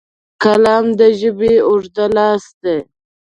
قلم د ژبې اوږد لاس دی